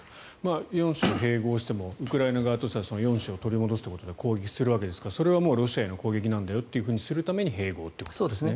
４州を併合してもウクライナ側としては４州を取り返すということで攻撃するわけですがそれはもうロシアへの攻撃なんだよとするために併合ということですね。